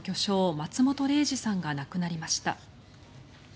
松本零士さんが亡くなりました。